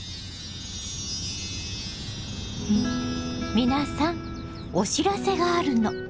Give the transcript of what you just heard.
皆さんお知らせがあるの。